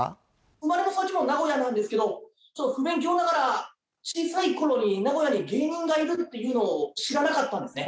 生まれも育ちも名古屋なんですけど不勉強ながら小さい頃に名古屋に芸人がいるっていうのを知らなかったんですね。